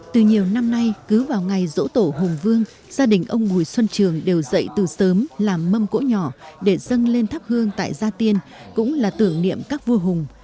từ nhiều năm nay cứ vào ngày dỗ tổ hùng vương gia đình ông ngùi xuân trường đều dậy từ sớm làm mâm cỗ nhỏ để dâng lên thắp hương tại gia tiên cũng là tưởng niệm các vua hùng